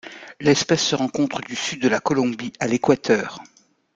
L'espèce se rencontre du sud de la Colombie à l'Équateur.